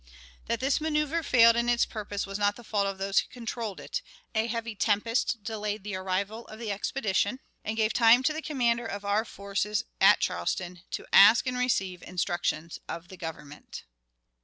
"That this manoeuvre failed in its purpose was not the fault of those who controlled it. A heavy tempest delayed the arrival of the expedition, and gave time to the commander of our forces at Charleston to ask and receive instructions of the Government."